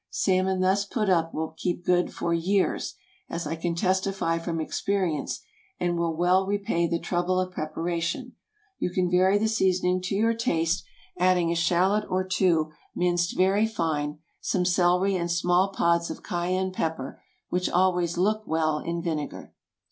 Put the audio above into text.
Salmon thus put up will keep good for years, as I can testify from experience, and will well repay the trouble of preparation. You can vary the seasoning to your taste, adding a shallot or two minced very fine, some celery and small pods of cayenne pepper, which always look well in vinegar.